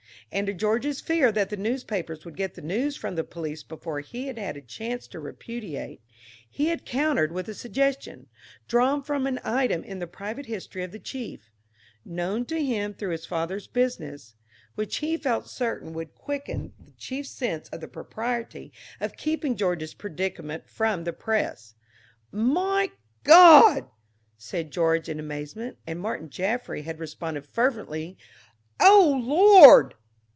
And to George's fear that the newspapers would get the news from the police before he had had a chance to repudiate, he had countered with a suggestion, drawn from an item in the private history of the chief known to him through his father's business which he felt certain would quicken the chief's sense of the propriety of keeping George's predicament from the press. "My God!" said George in amazement, and Martin Jaffry had responded fervently with "O Lord!"